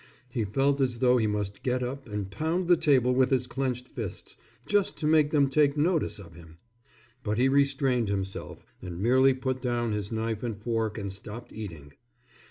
He felt as though he must get up and pound the table with his clenched fists, just to make them take notice of him. But he restrained himself and merely put down his knife and fork and stopped eating.